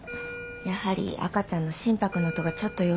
やはり赤ちゃんの心拍の音がちょっと弱いです。